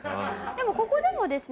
でもここでもですね